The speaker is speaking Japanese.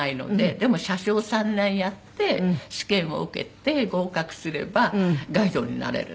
でも車掌３年やって試験を受けて合格すればガイドになれる。